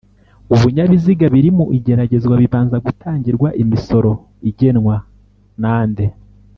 ubinyabiziga biri mu igeragezwa bibanza gutangirwa imisoro igenwa nande